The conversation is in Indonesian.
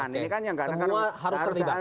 ini kan yang harus terlibat